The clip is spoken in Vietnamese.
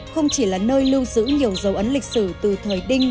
không chỉ là nơi lưu giữ nhiều dấu ấn lịch sử từ thời đinh